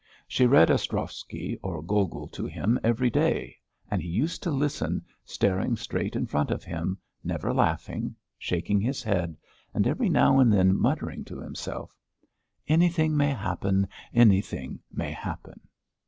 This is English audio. She read Ostrovsky or Gogol to him every day, and he used to listen, staring straight in front of him, never laughing, shaking his head, and every now and then muttering to himself: "Anything may happen! Anything may happen!"